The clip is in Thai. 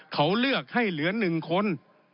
เขาเลือกให้เหลือ๑คน